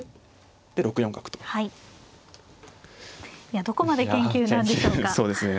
いやどこまで研究なんでしょうか。